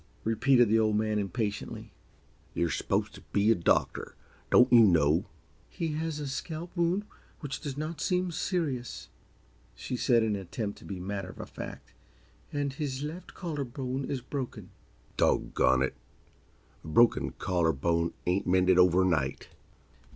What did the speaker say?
repeated the Old Man, impatiently. "You're supposed t' be a doctor don't you know?" "He has a scalp wound which does not seem serious," said she in an attempt to be matter of fact, "and his left collar bone is broken." "Doggone it! A broken collar bone ain't mended overnight."